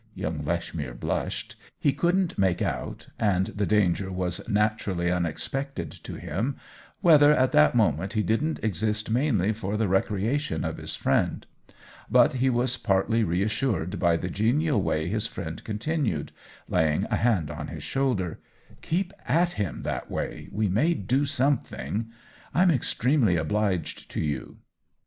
Young Lechmere blushed ; he couldn't make out (and the danger was naturally un expected to him) whether at that moment he didn't exist mainly for the recreation of his friend. But he was partly reassured by the genial way this friend continued, laying a hand on his shoulder :" Keep at him that way! we may do something. Fm extremely obliged to you."